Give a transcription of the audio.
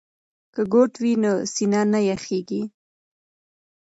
که کوټ وي نو سینه نه یخیږي.